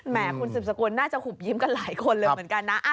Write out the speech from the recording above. คุณสืบสกุลน่าจะหุบยิ้มกันหลายคนเลยเหมือนกันนะ